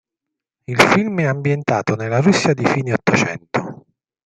Il film è ambientato nella Russia di fine Ottocento.